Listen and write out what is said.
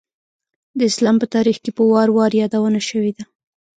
د اسلام په تاریخ کې په وار وار یادونه شوېده.